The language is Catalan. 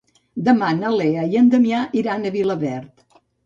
Demà na Lea i en Damià iran a Vilaverd.